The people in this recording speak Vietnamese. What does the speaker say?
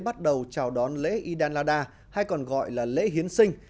bắt đầu chào đón lễ yedan lada hay còn gọi là lễ hiến sinh